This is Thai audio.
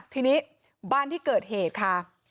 ทีนี้บ้านที่เกิดเหตุค่ะ